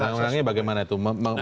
nah tidak sewenang wenangnya bagaimana itu